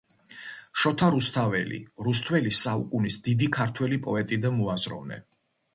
შოთა რუსთაველი, რუსთველი საუკუნის დიდი ქართველი პოეტი და მოაზროვნე